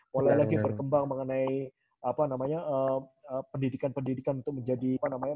mulai lagi berkembang mengenai pendidikan pendidikan untuk menjadi apa namanya